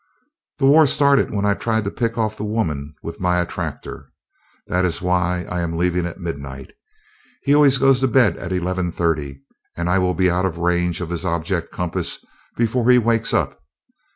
"The war started when I tried to pick off the women with my attractor. That is why I am leaving at midnight. He always goes to bed at eleven thirty, and I will be out of range of his object compass before he wakes up.